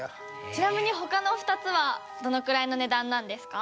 ちなみに他の２つはどのくらいの値段なんですか？